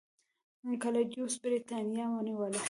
کلاډیوس برېټانیا ونیوله